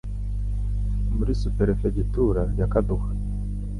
muri Superefegitura ya Kaduha